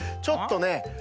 ちょっとね